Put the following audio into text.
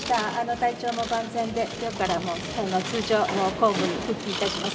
体調も万全で、きょうからもう通常公務に復帰いたします。